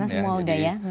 sekarang semua udah ya